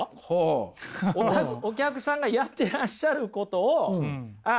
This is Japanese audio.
お客さんがやってらっしゃることをあ